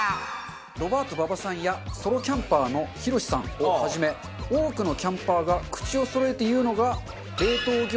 ロバート馬場さんやソロキャンパーのヒロシさんをはじめ多くのキャンパーが口をそろえて言うのが。